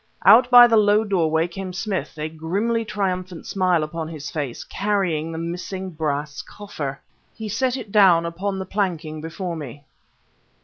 Out by the low doorway come Smith, a grimly triumphant smile upon his face, carrying the missing brass coffer! He set it down upon the planking before me.